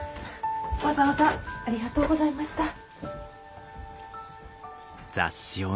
わざわざありがとうございました。